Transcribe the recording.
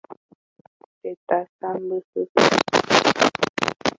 Tetã sãmbyhy.